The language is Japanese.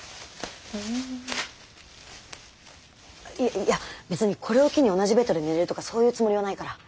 いや別にこれを機に同じベッドで寝れるとかそういうつもりはないから。